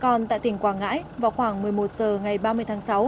còn tại tỉnh quảng ngãi vào khoảng một mươi một h ngày ba mươi tháng sáu